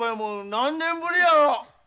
何年ぶりやろ！